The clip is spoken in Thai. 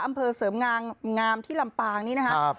อำเภอเสริมงามที่ลำปางนี้นะครับ